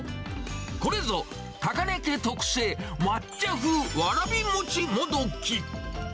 これぞ高根家特製、抹茶風わらび餅もどき。